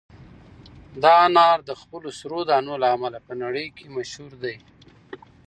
دا انار د خپلو سرو دانو له امله په نړۍ کې مشهور دي.